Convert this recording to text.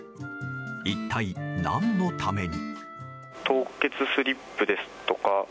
一体何のために？